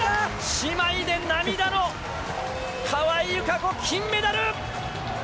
姉妹で涙の川井友香子、金メダル！